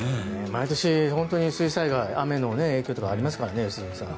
毎年本当に水災害雨の影響とかありますからね良純さん。